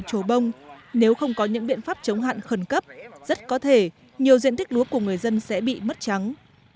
trổ bông nếu không có những biện pháp chống hạn khẩn cấp rất có thể nhiều diện tích lúa của người dân sẽ bị mất trắng